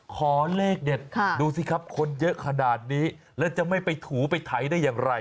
ขอเลขเด็ดดูสิครับคนเยอะขนาดนี้แล้วจะไม่ไปถูไปไถได้อย่างไร